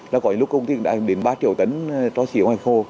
là có những lúc công ty đã đến ba triệu tấn cho xỉ ở ngoài khu